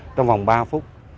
trong vòng ba phút